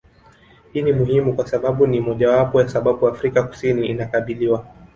Hii ni muhimu kwa sababu ni mojawapo ya sababu Afrika kusini inakabiliwa